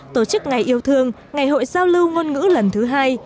tổ chức ngày yêu thương ngày hội giao lưu ngôn ngữ lần thứ hai